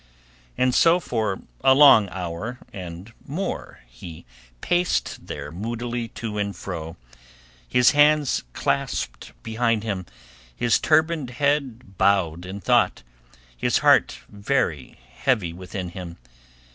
And so for a long hour and more he paced there moodily to and fro, his hands clasped behind him, his turbaned head bowed in thought, his heart very heavy within him.